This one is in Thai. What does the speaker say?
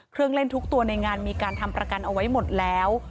เครื่องเล่นทุกตัวในงานมีการทำประกันเอาไว้หมดแล้ว